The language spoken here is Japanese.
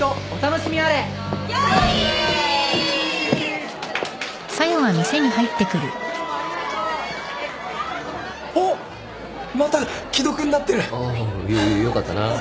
よっよかったな。